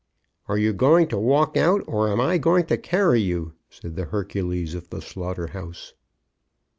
"Are you going to walk out, or am I going to carry you?" said the Hercules of the slaughter house.